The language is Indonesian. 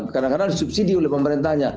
kadang kadang disubsidi oleh pemerintahnya